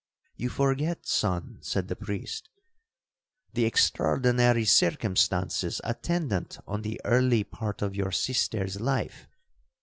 '—'You forget, son,' said the priest, 'the extraordinary circumstances attendant on the early part of your sister's life.